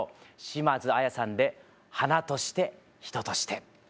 島津亜矢さんで「花として人として」。